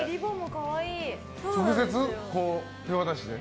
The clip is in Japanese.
直接手渡しで？